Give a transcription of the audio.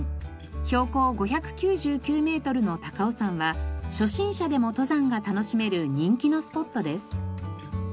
標高５９９メートルの高尾山は初心者でも登山が楽しめる人気のスポットです。